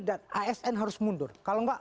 dan asn harus mundur kalau tidak